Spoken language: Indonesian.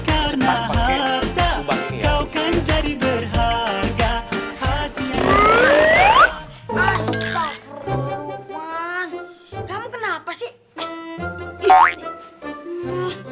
astaghfirullahaladzim kamu kenapa sih